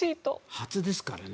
初ですからね。